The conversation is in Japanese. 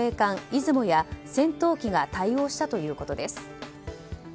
「いずも」や戦闘機が対応したということです。